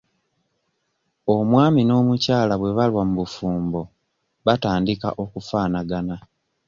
Omwami n'omukyala bwe balwa mu bufumbo batandika okufaanagana.